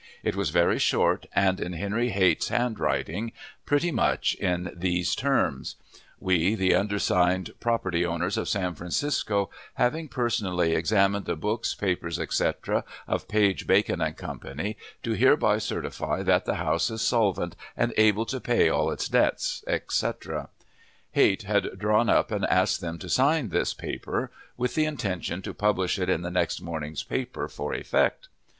It was very short, and in Henry Haight's handwriting, pretty much in these terms: "We, the undersigned property holders of San Francisco, having personally examined the books, papers, etc., of Page, Bacon & Co., do hereby certify that the house is solvent and able to pay all its debts," etc. Height had drawn up and asked them to sign this paper, with the intention to publish it in the next morning's papers, for effect.